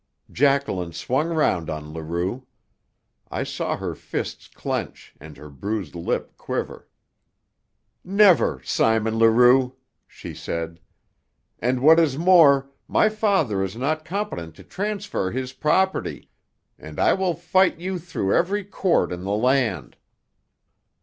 Jacqueline swung round on Leroux. I saw her fists clench and her bruised lip quiver. "Never, Simon Leroux!" she said. "And, what is more, my father is not competent to transfer his property, and I will fight you through every court in the land."